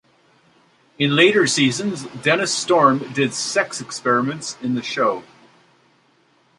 In later seasons, Dennis Storm did sex experiments in the show.